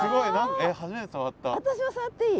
私も触っていい？